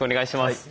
はい。